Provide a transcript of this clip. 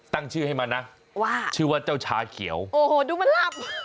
ตั้งชื่อให้มันนะว่าชื่อว่าเจ้าชาเขียวโอ้โหดูมันหลับ